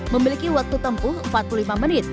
memiliki waktu tempuh empat puluh lima menit